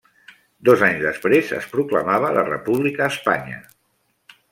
Dos anys després es proclamava la República a Espanya.